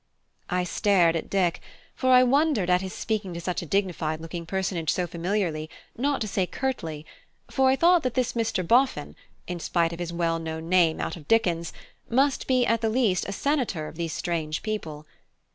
I stared at Dick; for I wondered at his speaking to such a dignified looking personage so familiarly, not to say curtly; for I thought that this Mr. Boffin, in spite of his well known name out of Dickens, must be at the least a senator of these strange people.